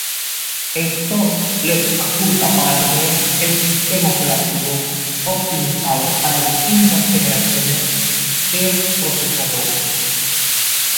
Esto les faculta para tener el sistema operativo optimizado para distintas generaciones de procesadores.